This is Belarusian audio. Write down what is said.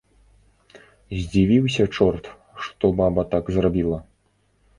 Здзівіўся чорт, што баба так зрабіла.